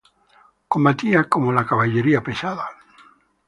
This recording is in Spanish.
Combatía como la caballería pesada.